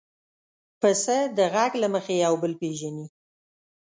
پسه د غږ له مخې یو بل پېژني.